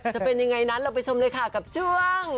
จะเป็นยังไงนั้นเราไปชมเลยค่ะกับช่วง